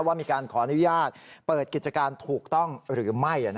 ว่ามีการขออนุญาตเปิดกิจการถูกต้องหรือไม่